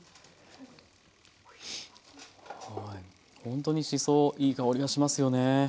ほんとにしそいい香りがしますよね。